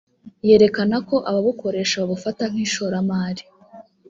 yerekana ko ababukoresha babufata nk’ishoramari